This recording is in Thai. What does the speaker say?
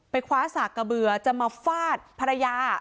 คว้าสากกระเบือจะมาฟาดภรรยา